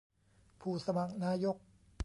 ผู้สมัครนายก